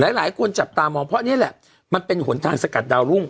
หลายคนจับตามองเพราะนี่แหละมันเป็นหนทางสกัดดาวรุ่ง